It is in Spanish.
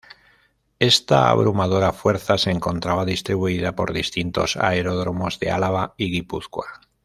Esta abrumadora fuerza se encontraban distribuida por distintos aeródromos de Álava y Guipúzcoa.